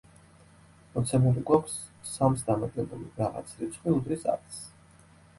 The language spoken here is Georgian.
მოცემული გვაქვს — სამს დამატებული რაღაც რიცხვი უდრის ათს.